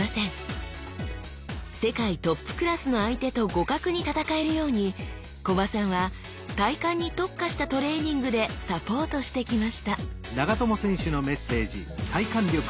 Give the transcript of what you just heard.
世界トップクラスの相手と互角に戦えるように木場さんは体幹に特化したトレーニングでサポートしてきましたいや